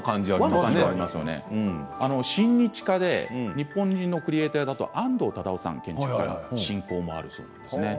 親日家で日本人のクリエーターだと安藤忠雄さん、建築家の親交もあるそうです。